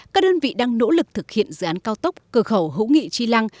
các đơn vị đang nỗ lực thực hiện dự án cao tốc cửa khẩu hữu nghị chi lăng